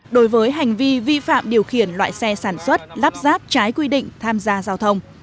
đối với hành vi vi phạm điều khiển loại xe sản xuất lắp ráp trái quy định tham gia giao thông